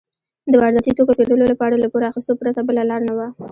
د وارداتي توکو پېرلو لپاره له پور اخیستو پرته بله لار نه وه.